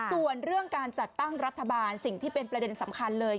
ส่วนเรื่องการจัดตั้งรัฐบาลสิ่งที่เป็นประเด็นสำคัญเลย